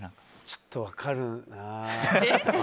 ちょっと分かるな。